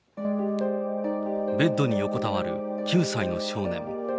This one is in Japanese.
ベッドに横たわる９歳の少年。